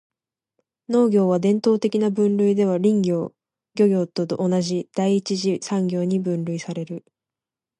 農業は、伝統的な分類では林業・漁業と同じ第一次産業に分類される。